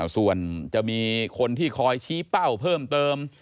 ส่วนจะมีคนที่คอยชี้เป้าเพิ่มเติม